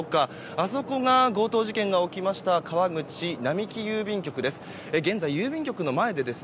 あそこが強盗事件が起きました川口並木郵便局です。